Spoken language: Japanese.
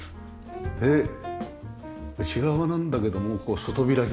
で内側なんだけどもこう外開きのね。